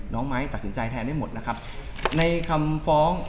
น้องไม้ตัดสินใจแทนได้หมดนะครับ